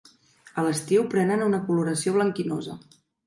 A l'estiu prenen una coloració blanquinosa.